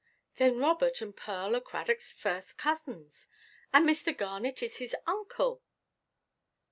"Then Robert and Pearl are Cradockʼs first cousins, and Mr. Garnet is his uncle!"